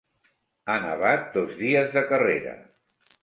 Ha nevat dos dies de carrera.